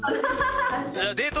デート